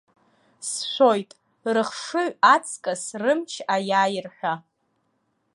Сшәоит, рыхшыҩ аҵкыс рымч аиааир ҳәа.